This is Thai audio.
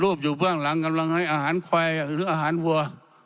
อยู่เบื้องหลังกำลังให้อาหารควายหรืออาหารวัว